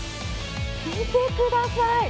見てください。